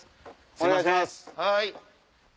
お願いします。